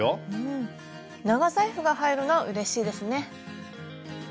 長財布が入るのはうれしいですね。